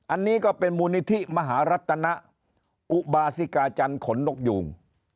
อันนี้ก็เป็นมูลนิธิมหารัตนอุบาสิกาจันทร์ขนนกยูง